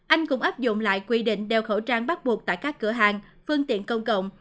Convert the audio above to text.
anh cũng áp dụng lại quy định đeo khẩu trang bắt buộc tại các cửa hàng phương tiện công cộng